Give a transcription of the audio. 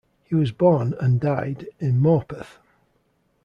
He was born, and died, in Morpeth.